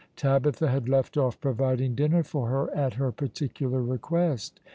Tabitha had left off" providing dinner for her, at her particular request.